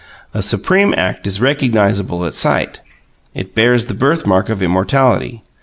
A supreme act is recognizable at sight: it bears the birthmark of immortality.